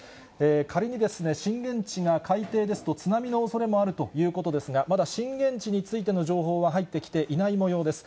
仮に震源地が海底ですと、津波のおそれもあるということですが、まだ震源地についての情報は入ってきていないもようです。